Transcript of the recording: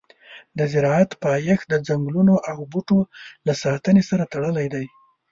د زراعت پایښت د ځنګلونو او بوټو له ساتنې سره تړلی دی.